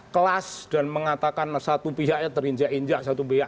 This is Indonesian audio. kelas dan mengatakan satu pihaknya terinjak injak